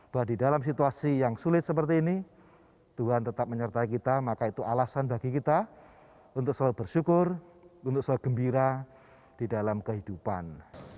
bahwa di dalam situasi yang sulit seperti ini tuhan tetap menyertai kita maka itu alasan bagi kita untuk selalu bersyukur untuk selalu gembira di dalam kehidupan